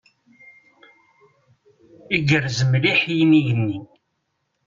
Igerrez mliḥ yinig-nni.